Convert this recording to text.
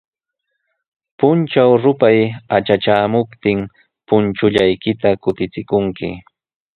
Puntraw rupay atratraamuptin, punchullaykita kutichikunki.